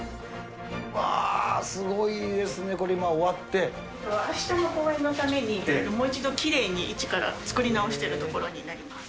わー、すごいですね、これ、あしたの公演のために、もう一度きれいに一から作り直してるところになります。